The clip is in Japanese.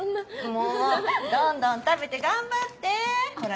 もうどんどん食べて頑張って！